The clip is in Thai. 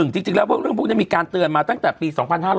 จริงแล้วเรื่องพวกนี้มีการเตือนมาตั้งแต่ปี๒๕๕๙